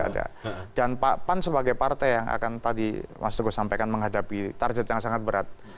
dan pak pan sebagai partai yang akan tadi mas teguh sampaikan menghadapi target yang sangat berat